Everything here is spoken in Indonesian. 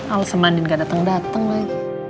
alsa mandin gak dateng dateng lagi